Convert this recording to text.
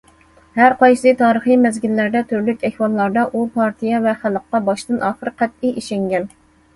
ھەر قايسى تارىخىي مەزگىللەردە، تۈرلۈك ئەھۋاللاردا، ئۇ پارتىيە ۋە خەلققە باشتىن- ئاخىر قەتئىي ئىشەنگەن.